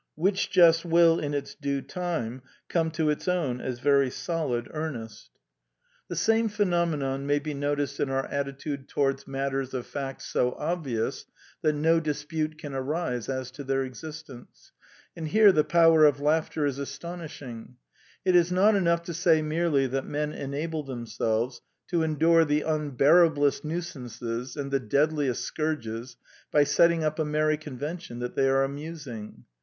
Which jest will in its due time come to its own as very solid isarnest. 200 The Quintessence of Ibsenism The same phenomenon may be noticed in our attitude towards matters of fact so obvious that no dispute can arise as to their existence. And here the power of laughter is astonishing. It is not enough to say merely that men enable them selves to endure the unbearablest nuisances and the deadliest scourges by setting up a merry con vention that they are amusing.